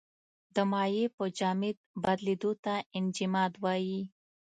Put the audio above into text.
د مایع په جامد بدلیدو ته انجماد وايي.